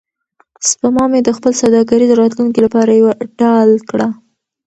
سپما مې د خپل سوداګریز راتلونکي لپاره یوه ډال کړه.